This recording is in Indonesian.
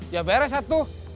ya beres satu